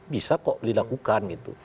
bisa kok dilakukan